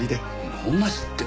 能なしって。